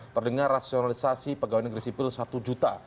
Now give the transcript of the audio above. terdengar rasionalisasi pegawai negeri sipil satu juta